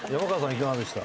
いかがでした？